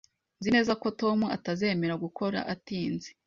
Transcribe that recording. Nzi neza ko Tom atazemera gukora atinze